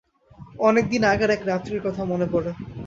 অনেক দিন আগের এক রাত্রির কথা মনে পড়ে।